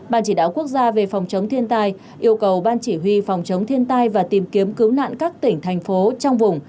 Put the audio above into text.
ban chỉ đạo quốc gia về phòng chống thiên tai yêu cầu ban chỉ huy phòng chống thiên tai và tìm kiếm cứu nạn các tỉnh thành phố trong vùng